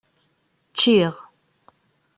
Ččiɣ.